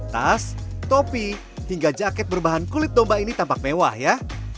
tas topi hingga jaket berbahan kulit domba ini tampak mewah ya